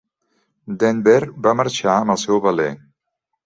Denver va marxar amb el seu veler.